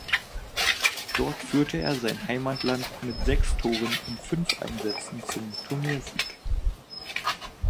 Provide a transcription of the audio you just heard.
Dort führte er sein Heimatland mit sechs Toren in fünf Einsätzen zum Turniersieg.